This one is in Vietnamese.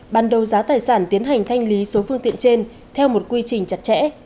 ban đầu giá tài sản tiến hành thanh lý số phương tiện trên theo một quy trình chặt chẽ